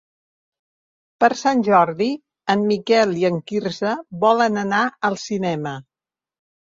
Per Sant Jordi en Miquel i en Quirze volen anar al cinema.